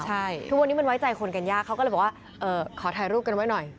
ใช่ทุกวันนี้มันไว้ใจคนกันยากเขาก็เลยบอกว่าขอถ่ายรูปกันไว้หน่อย